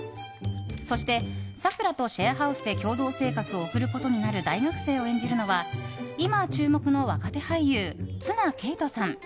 そして、さくらとシェアハウスで共同生活を送ることになる大学生を演じるのは今、注目の若手俳優綱啓永さん。